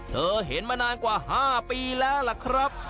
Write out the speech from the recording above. เธอเห็นมานานกว่า๕ปีแล้วล่ะครับ